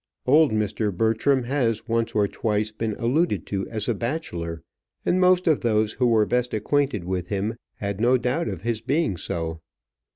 Old Mr. Bertram has once or twice been alluded to as a bachelor; and most of those who were best acquainted with him had no doubt of his being so.